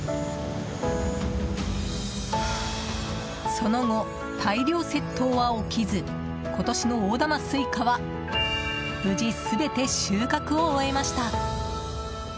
その後、大量窃盗は起きず今年の大玉スイカは無事全て収穫を終えました。